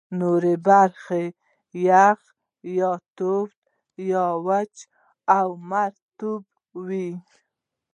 نورې برخې یا یخ، یا تود، یا وچه او مرطوبه وې.